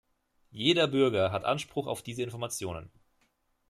Jeder Bürger hat Anspruch auf diese Informationen.